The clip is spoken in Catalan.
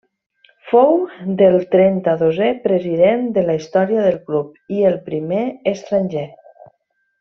Fou del trenta-dosè president de la història del club i el primer estranger.